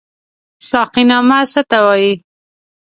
ساقينامه څه ته وايي؟